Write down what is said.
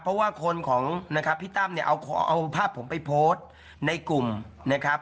เพราะว่าคนของนะครับพี่ตั้มเนี่ยเอาภาพผมไปโพสต์ในกลุ่มนะครับ